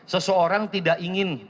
seseorang tidak ingin